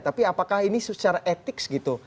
tapi apakah ini secara etik gitu